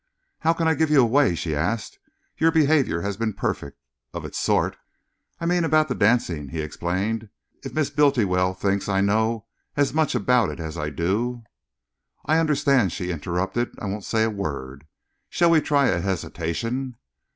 "How can I give you away?" she asked. "Your behavior has been perfect of its sort." "I mean about the dancing," he explained. "If Miss Bultiwell thinks I know as much about it as I do " "I understand," she interrupted. "I won't say a word. Shall we try a hesitation?"